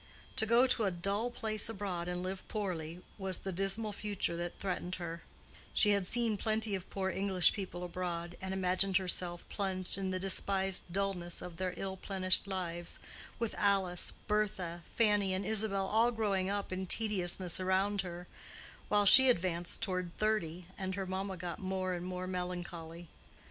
To go to a dull place abroad and live poorly, was the dismal future that threatened her: she had seen plenty of poor English people abroad and imagined herself plunged in the despised dullness of their ill plenished lives, with Alice, Bertha, Fanny and Isabel all growing up in tediousness around her, while she advanced toward thirty and her mamma got more and more melancholy.